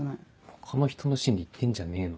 他の人のシーンで行ってんじゃねえの？